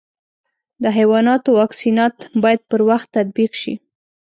د حیواناتو واکسینات باید پر وخت تطبیق شي.